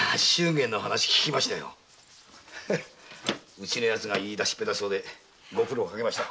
うちのヤツが言い出しっぺだそうでご苦労をかけました。